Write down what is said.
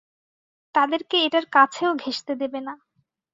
তাদের কে এটার কাছেও ঘেঁষতে দেবেনা।